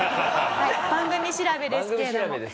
番組調べですけれども。